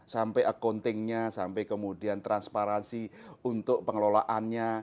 sampai accountingnya sampai kemudian transparansi untuk pengelolaannya